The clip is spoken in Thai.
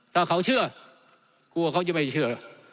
ถ้าเขาเชื่อกลัวเขาจะไม่เชื่อ